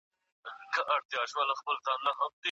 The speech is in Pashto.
خپله نظریه په شفافه توګه وړاندې کړئ.